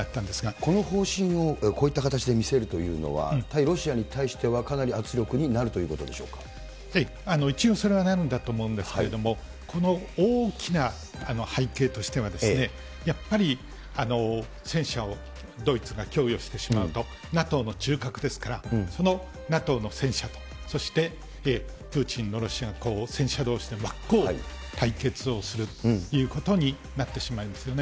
この方針を、こういった形で見せるというのは、対ロシアに対しては、かなり圧力になるという一応、それはなるんだと思うんですけれども、この大きな背景としてはですね、やっぱり、戦車をドイツが供与してしまうと、ＮＡＴＯの中核ですから、そのＮＡＴＯの戦車と、そしてプーチンのロシア、戦車どうしで真っ向対決をするということになってしまいますよね。